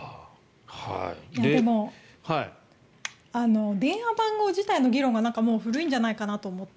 でも電話番号自体の議論が古いんじゃないかなと思って。